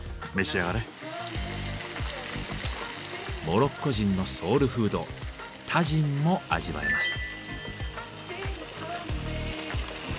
モロッコ人のソウルフードタジンも味わえます。